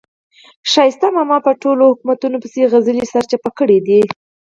ښایسته ماما په ټولو حکومتونو پسې سندرې سرچپه کړې دي.